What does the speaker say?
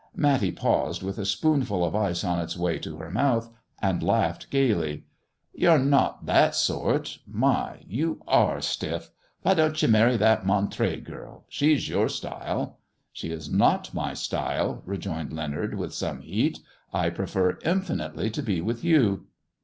Matty paused, with a spoonful of ice on its way to her mouth, and laughed gaily. " You're not that sort ! My ! you are stiff ! Why don't you marry that Montray girl 1 She's your style !"" She is not my style," rejoined Leonard, with some heat. " I prefer infinitely to be with you."